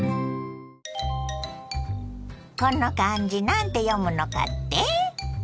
この漢字何て読むのかって？